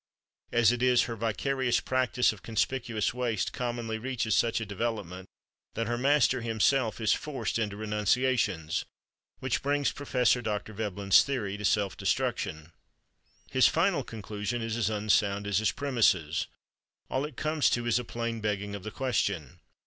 As it is, her vicarious practice of conspicuous waste commonly reaches such a development that her master himself is forced into renunciations—which brings Prof. Dr. Veblen's theory to self destruction. His final conclusion is as unsound as his premisses. All it comes to is a plain begging of the question.